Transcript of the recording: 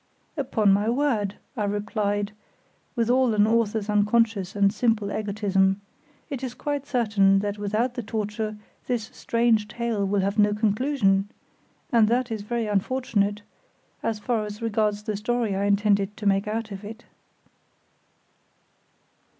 "Upon my word," I replied, with all an author's unconscious and simple egotism, "it is quite certain that without the torture, this strange tale will have no conclusion, and that is very unfortunate, as far as regards the story I intended to make out of it."